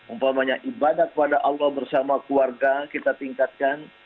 umpamanya ibadah kepada allah bersama keluarga kita tingkatkan